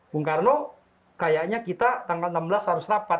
bung karno kayaknya kita tanggal enam belas harus rapat